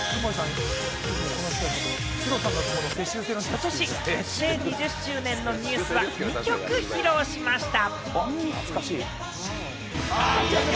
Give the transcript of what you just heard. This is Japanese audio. ことし結成２０周年のＮＥＷＳは２曲披露しました。